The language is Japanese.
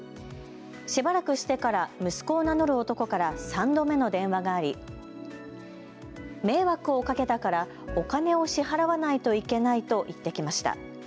しばらくしてから、息子を名乗る男から３度目の電話があり迷惑をかけたからお金を支払わないといけないと言ってきました。